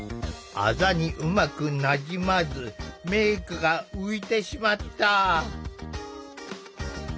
あざにうまくなじまずメークが浮いてしまった。